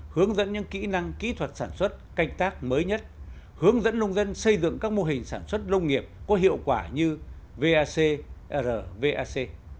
hướng dẫn những kỹ năng kỹ thuật sản xuất canh tác mới nhất hướng dẫn nông dân xây dựng các mô hình sản xuất nông nghiệp có hiệu quả như vac rvac